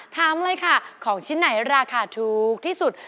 ถามเลยค่ะของชิ้นไหนราคาถูกที่สุด